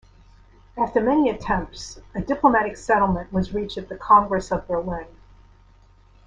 After many attempts, a diplomatic settlement was reached at the Congress of Berlin.